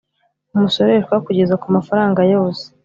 Umusoreshwa kugeza ku mafaranga yose